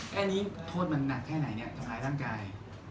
แค่นี้โทษมันหนักแค่ไหนเนี่ยทำร้ายร่างกาย